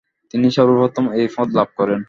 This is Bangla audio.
তিনি সর্বপ্রথম এই পদ লাভ করেন।